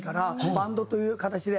バンドという形で。